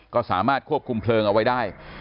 ก็สามารถควบคุมเพลิงเอาไว้ได้